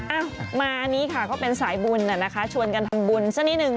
เอามาอันนี้ค่ะก็เป็นสายบุญน่ะนะคะชวนกันทำบุญสักนิดนึง